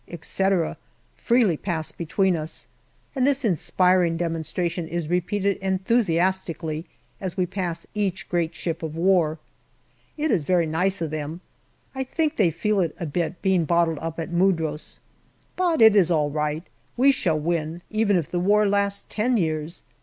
" etc., 172 GALLIPOLI DIARY freely pass between us, and this inspiring demonstration is repeated enthusiastically as we pass each great ship of war. It is very nice of them. I think they feel it a bit, being bottled up at Mudros. But it is all right ; we shall win, even if the war lasts ten years.